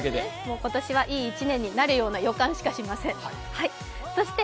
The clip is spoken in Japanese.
今年はいい１年になるような予感しかしません。